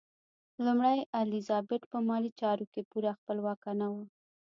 لومړۍ الیزابت په مالي چارو کې پوره خپلواکه نه وه.